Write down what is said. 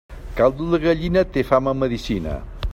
Caldo de gallina té fama en medicina.